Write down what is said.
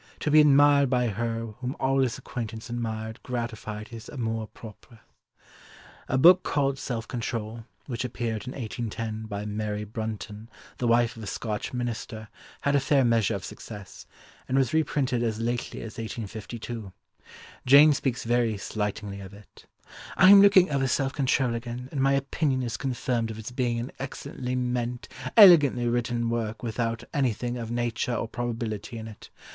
To be admired by her whom all his acquaintance admired gratified his amour propre." A book called Self Control, which appeared in 1810, by Mary Brunton, the wife of a Scotch minister, had a fair measure of success, and was reprinted as lately as 1852. Jane speaks very slightingly of it: "I am looking over Self Control again, and my opinion is confirmed of its being an excellently meant, elegantly written work, without anything of nature or probability in it.